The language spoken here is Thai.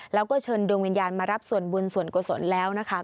แล้วก็เชิญดวงวิญญาณมารับส่วนบุญส่วนกุศลแล้วนะคะ